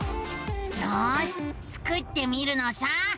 よしスクってみるのさ。